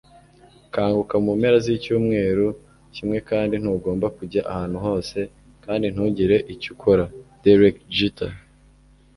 kanguka mu mpera z'icyumweru kimwe kandi ntugomba kujya ahantu hose kandi ntugire icyo ukora - derek jeter